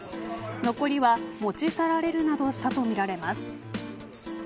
残りは持ち去られるなどしたとみられます。